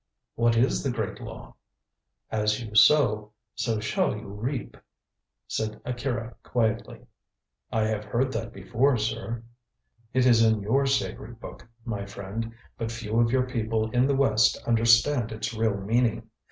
"What is the Great Law?" "As you sow, so shall you reap," said Akira quietly. "I have heard that before, sir." "It is in your sacred Book, my friend; but few of your people in the West understand its real meaning.